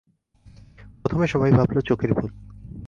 প্রথমে সবাই ভাবল চোখের ভুল।